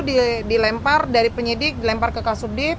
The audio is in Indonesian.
selalu dilempar dari penyidik dilempar ke kasudit